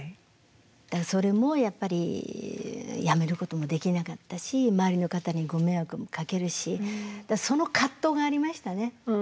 だからそれもやっぱりやめることもできなかったし周りの方にご迷惑もかけるしその葛藤がありましたね。